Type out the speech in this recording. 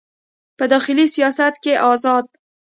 په داخلي سیاست کې ازاد